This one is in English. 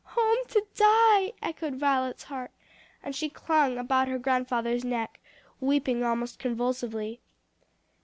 "Home to die!" echoed Violet's heart, and she clung about her grandfather's neck, weeping almost convulsively.